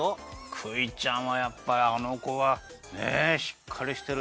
クイちゃんはやっぱりあのこはねえしっかりしてる。